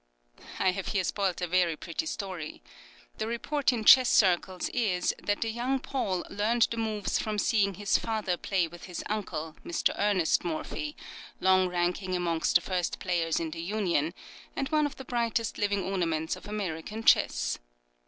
I have here spoilt a very pretty story. The report in chess circles is, that the young Paul learned the moves from seeing his father play with his uncle, Mr. Ernest Morphy, long ranking amongst the first players in the Union, and one of the brightest living ornaments of American chess.